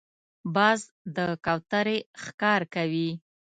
باز د کوترې ښکار کوي